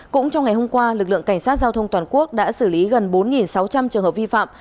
cũng trong ngày hôm qua lực lượng cảnh sát giao thông toàn quốc đã xử lý gần bốn sáu trăm linh trường hợp vi phạm